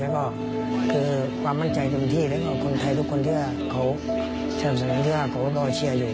แล้วก็คือความมั่นใจเต็มที่แล้วก็คนไทยทุกคนที่เขาสนับสนุนที่ว่าพบเชียร์อยู่